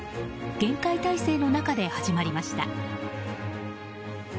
厳戒態勢の中で始まりました。